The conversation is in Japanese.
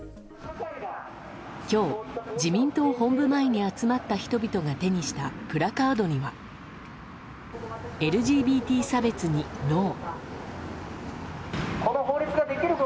今日、自民党本部前に集まった人々が手にしたプラカードにはＬＧＢＴ差別にＮＯ。